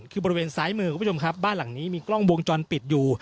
คือบริเวณซ้ายมือคุณผู้ชมครับบ้านหลังนี้มีกล้องวงจรปิดอยู่